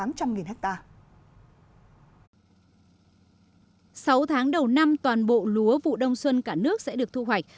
sau tháng đầu năm toàn bộ lúa vụ đông xuân cả nước sẽ được thu hoạch